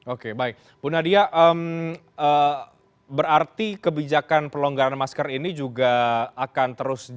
oke baik bu nadia berarti kebijakan pelonggaran masker ini juga akan terus berjalan